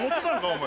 お前。